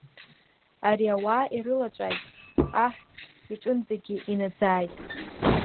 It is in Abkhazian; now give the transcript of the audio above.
Ари ауаа ирылаҵәаит, аҳ иҿынӡагьы инаӡаит.